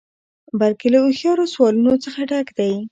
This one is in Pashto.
بلکې له هوښیارو سوالونو څخه ډک دی.